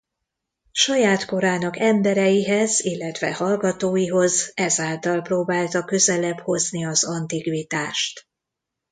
Saját korának embereihez illetve hallgatóihoz ezáltal próbálta közelebb hozni az antikvitást.